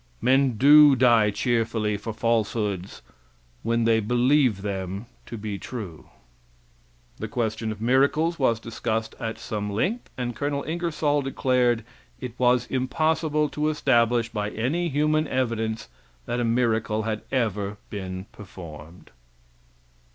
Men do die cheerfully for falsehoods when they believe them to be true. [The question of miracles was discussed at some length, and Col. Ingersoll declared it was impossible to establish by any human evidence that a miracle had ever been performed.